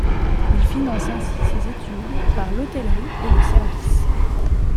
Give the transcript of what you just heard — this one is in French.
Il finance ainsi ses études, par l'hôtellerie et le service.